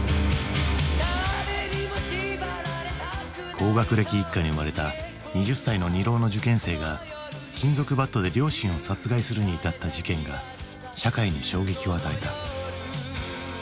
高学歴一家に生まれた２０歳の２浪の受験生が金属バットで両親を殺害するに至った事件が社会に衝撃を与えた。